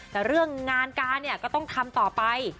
แต่เรื่องงานการเนี่ยก็ต้องทำต่อไป